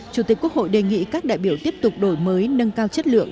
chủ tịch quốc hội đề nghị các đại biểu tiếp tục đổi mới nâng cao chất lượng